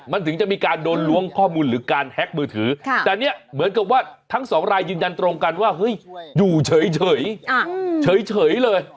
มันถึงจะมีการโดนล้วงข้อมูลหรือการแฮ็กมือถือแต่เนี่ยเหมือนกับว่าทั้งสองรายยืนยันตรงกันว่าเฮ้ยอยู่เฉยเฉยเลย